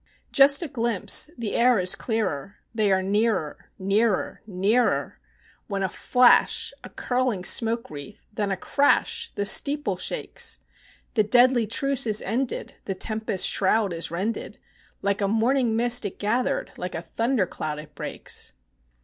Just a glimpse (the air is clearer), they are nearer, nearer, nearer, When a flash a curling smoke wreath then a crash the steeple shakes The deadly truce is ended; the tempest's shroud is rended; Like a morning mist it gathered, like a thunder cloud it breaks!